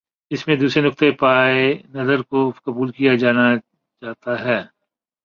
اس میں دوسرے نقطہ ہائے نظر کو قبول کیا جاتا ہے۔